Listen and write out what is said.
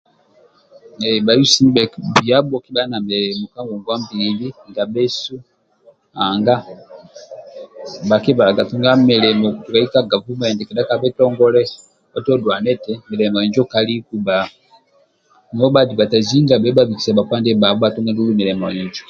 Ehh bha yusi ndibhe biabo kebhali na milimo ka ngongwa mbili ndia bhesu anga bhakibalaga tunga tukai ka gavumenti kedha ka bitongole bhaitu odulane eti milimo injo kaliku bba nobu bha adivataizinga bheo bhakikisa bhakpa ndibhabho bhatunga ndibho mulimo injo